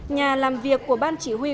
nhà làm việc của ban chỉ huy